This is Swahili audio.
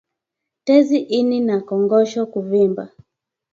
Tezi ini na kongosho kuvimba